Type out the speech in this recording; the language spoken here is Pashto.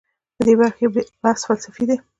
په دې برخه کې بحث فلسفي دی.